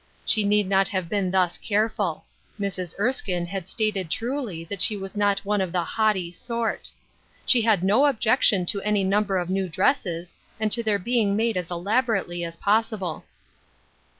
She need not have been thus careful. Mrs. Erskine had stated truly that she was not one of the " haughty " sort. She had no objec tion to any number of new dresses, and to their being made as elaborately as possible.